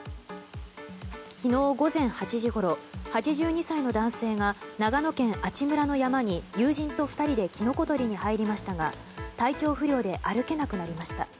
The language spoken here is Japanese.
昨日午前８時ごろ８２歳の男性が長野県阿智村の山に友人と２人でキノコ採りに入りましたが体調不良で歩けなくなりました。